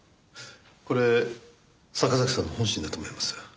これ坂崎さんの本心だと思います。